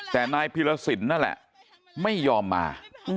แต่นายพิรสินนั่นแหละไม่ยอมมา